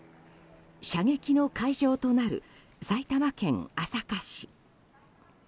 射撃の会場となる埼玉県朝霞市。